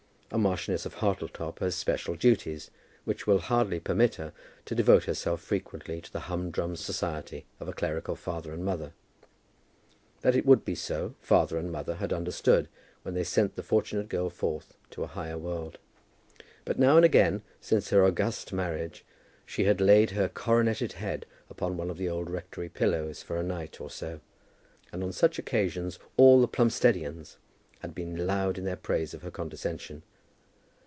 A Marchioness of Hartletop has special duties which will hardly permit her to devote herself frequently to the humdrum society of a clerical father and mother. That it would be so, father and mother had understood when they sent the fortunate girl forth to a higher world. But, now and again, since her August marriage, she had laid her coroneted head upon one of the old rectory pillows for a night or so, and on such occasions all the Plumsteadians had been loud in praise of her condescension.